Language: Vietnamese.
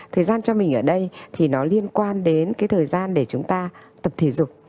thời gian cho mình ở đây thì nó liên quan đến cái thời gian để chúng ta tập thể dục